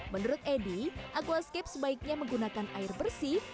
menurut edi aquascape sebaiknya menggunakan air bersih